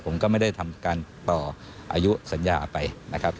ผมก็ไม่ได้ทำการต่ออายุสัญญาไปนะครับ